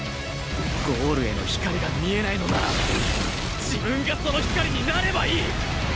ゴールへの光が見えないのなら自分がその光になればいい！